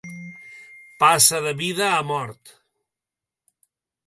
Passà de vida a mort.